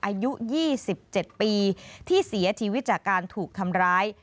อายุ๒๗ปีที่เสียชีวิตจากการถูกทำร้าย